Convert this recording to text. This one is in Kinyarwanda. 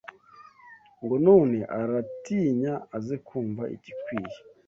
Ngo none aratinya Aze kumva igikwiye